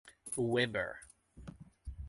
Webber.